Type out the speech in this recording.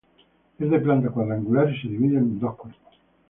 Es de planta cuadrangular y se divide en dos cuerpos.